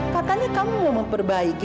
katanya kamu mau memperbaiki